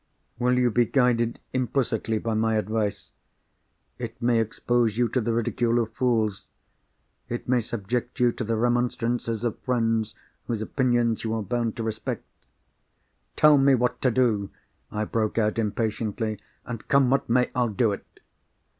"Will you be guided implicitly by my advice? It may expose you to the ridicule of fools; it may subject you to the remonstrances of friends whose opinions you are bound to respect." "Tell me what to do!" I broke out impatiently. "And, come what may, I'll do it."